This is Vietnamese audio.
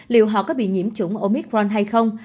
liệu họ có bị nhiễm chủng omicron hay không